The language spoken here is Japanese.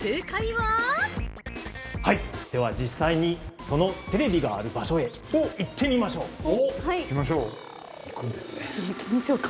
◆では実際にそのテレビがある場所へ、行ってみましょう。